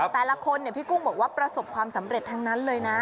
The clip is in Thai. แต่ละคนพี่กุ้งบอกว่าประสบความสำเร็จทั้งนั้นเลยนะ